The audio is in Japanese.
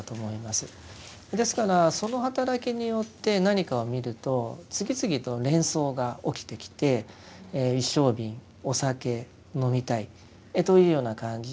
ですからその働きによって何かを見ると次々と連想が起きてきて一升瓶お酒飲みたいというような感じでいってしまうんだと思うんです。